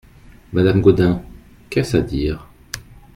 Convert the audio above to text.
Madame Gaudin Qu'est-ce à dire ?